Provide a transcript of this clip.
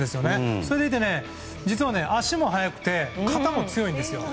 それでいて実は足も速くて肩も強いんですよ。